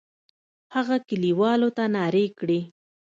هغه کلیوالو ته نارې کړې.